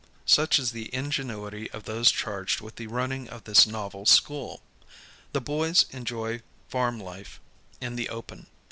Such is the ingen uity of those charged with the running of this novel school. The boys enjoy fann life in the open.